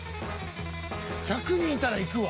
１００人いたら、いくわ。